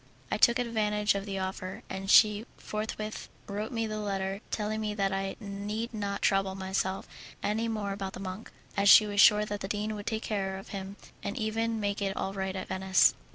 I took advantage of the offer, and she forthwith wrote me the letter, telling me that I need not trouble myself any more about the monk, as she was sure that the dean would take care of him, and even make it all right at Venice.